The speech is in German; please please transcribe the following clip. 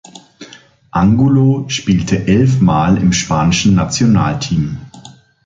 Angulo spielte elfmal im spanischen Nationalteam.